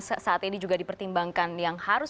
saat ini juga dipertimbangkan yang harus